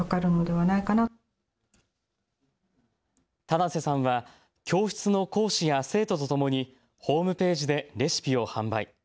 棚瀬さんは教室の講師や生徒とともにホームページでレシピを販売。